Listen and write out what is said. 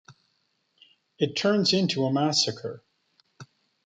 It turns into a massacre.